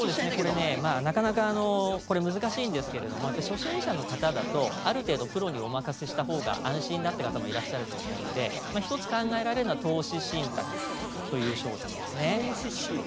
これねなかなか難しいんですけれども初心者の方だとある程度プロにお任せしたほうが安心だって方もいらっしゃると思うんで１つ考えられるのは投資信託という商品ですね。